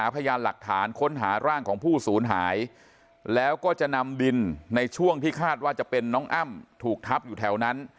พยานหลักฐานค้นหาร่างของผู้ศูนย์หายแล้วก็จะนำดินในช่วงที่คาดว่าจะเป็นน้องอ้ำถูกทับอยู่แถวนั้น